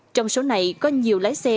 trong số này có nhiều lái xe